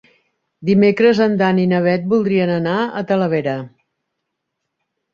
Dimecres en Dan i na Bet voldrien anar a Talavera.